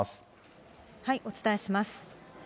お伝えします。